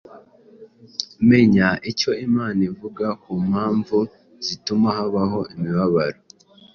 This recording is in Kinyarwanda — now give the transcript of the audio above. Menya icyo Imana ivuga ku mpamvu zituma habaho imibabaro.